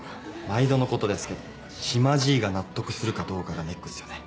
毎度のことですけど島ジイが納得するかどうかがネックっすよね。